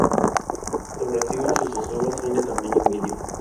Sus racimos y sus uvas son de tamaño medio.